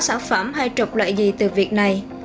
sản phẩm hay trục lợi gì từ việc này